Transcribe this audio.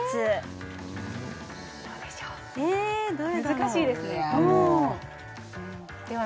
難しいですねいや